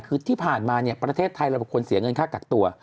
คือที่ผ่านมาประเทศไทยเราประควรเสียเงินค่ากักตัว